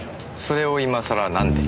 それを今さらなんで？